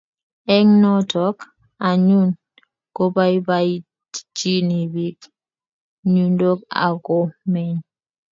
Eng" notok anyun kobaibaitchini piik yundok ako meny